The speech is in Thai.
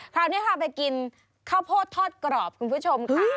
คราวนี้พาไปกินข้าวโพดทอดกรอบคุณผู้ชมค่ะ